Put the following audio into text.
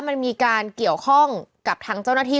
มันมีการเกี่ยวข้องกับทางเจ้าหน้าที่